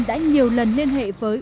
đã nhiều lần liên hệ với